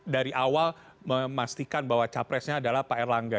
dari awal memastikan bahwa capresnya adalah pak erlangga